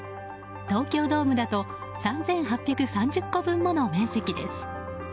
東京ドームだと３８３０個分もの面積です。